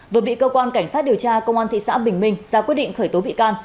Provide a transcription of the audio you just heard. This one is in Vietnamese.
vừa bị cơ quan cảnh sát điều tra công an thị xã bình minh ra quyết định khởi tố bị can